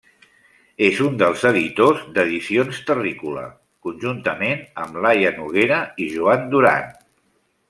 És un dels editors d'Edicions Terrícola, conjuntament amb Laia Noguera i Joan Duran.